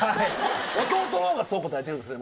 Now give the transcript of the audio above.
弟のほうがそう答えてるんですかね？